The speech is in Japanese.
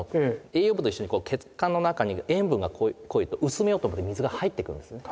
栄養分と一緒に血管の中に塩分が濃いと薄めようと思って水が入ってくるんですね。